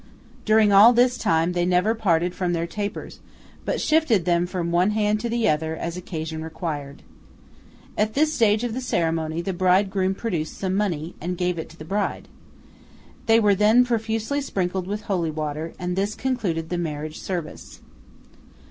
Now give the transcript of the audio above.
During all this time they never parted from their tapers, but shifted them from one hand to the other, as occasion required. At this stage of the ceremony, the bridegroom produced some money, and gave it to the bride. They were then profusely sprinkled with holy water, and this concluded the marriage service.